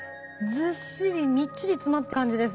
ずっしりみっちり詰まってる感じです。